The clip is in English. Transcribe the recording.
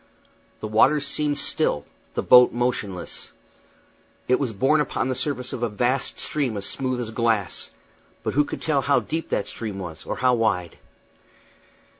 The waters seemed still, the boat motionless. It was borne upon the surface of a vast stream as smooth as glass; but who could tell how deep that stream was, or how wide?